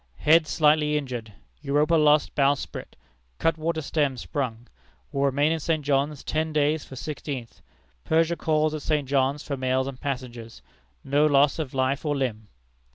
Head slightly injured. Europa lost bowsprit, cutwater stem sprung. Will remain in St. John's ten days from sixteenth. Persia calls at St. John's for mails and passengers. No loss of life or limb."